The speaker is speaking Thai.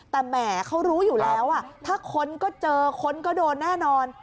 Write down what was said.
แต่แหมเขารู้อยู่แล้วถ้าคนก็เจอคนก็โดนแน่นอน